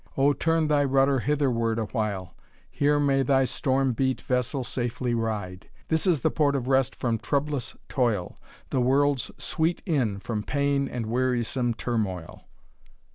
O! turn thy rudder hitherward awhile, Here may thy storm beat vessel safely ride. This is the port of rest from troublous toil, The world's sweet inn from pain and wearisome turmoil.'